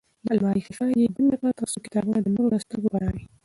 د المارۍ ښیښه یې بنده کړه ترڅو کتابونه د نورو له سترګو پناه وي.